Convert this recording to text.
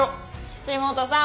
岸本さん